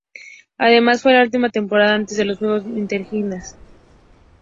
Además fue la última temporada antes de los juegos interligas.